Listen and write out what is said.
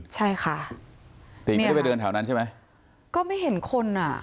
ใช่ค่ะติไม่ได้ไปเดินแถวนั้นใช่ไหมก็ไม่เห็นคนอ่ะ